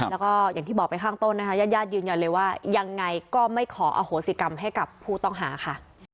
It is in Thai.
แล้วก็อย่างที่บอกไปข้างต้นนะคะญาติญาติยืนยันเลยว่ายังไงก็ไม่ขออโหสิกรรมให้กับผู้ต้องหาค่ะ